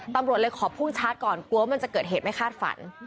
ตำรวจเลยขอพุ่งชาร์จก่อนกลัวว่ามันจะเกิดเหตุไม่คาดฝัน